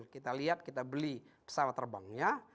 kita lihat kita beli pesawat terbangnya